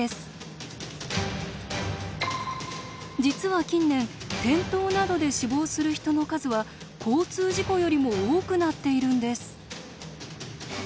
実は近年転倒などで死亡する人の数は交通事故よりも多くなっているんです。